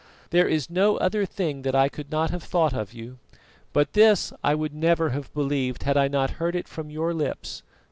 There is no other thing that I could not have thought of you, but this I would never have believed had I not heard it from your lips.